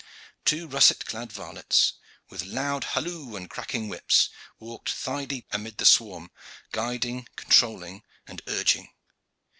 Two russet clad varlets, with loud halloo and cracking whips, walked thigh deep amid the swarm, guiding, controlling, and urging.